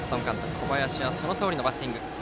小林はそのとおりのバッティングでした。